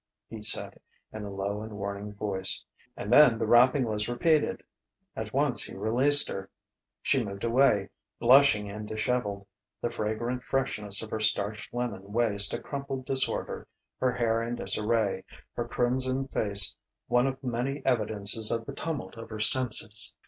he said in a low and warning voice. And then the rapping was repeated. At once he released her. She moved away, blushing and dishevelled, the fragrant freshness of her starched linen waist a crumpled disorder, her hair in disarray; her crimson face one of many evidences of the tumult of her senses.